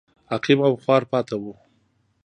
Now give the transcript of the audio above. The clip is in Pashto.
عقیم او خوار پاتې و.